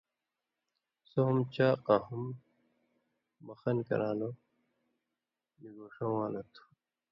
سو ہُم چاق آں ہُم بخن کران٘لو (بِگوݜان٘لو) تُھو۔